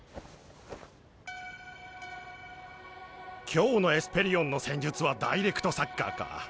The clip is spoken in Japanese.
今日のエスペリオンの戦術はダイレクトサッカーか。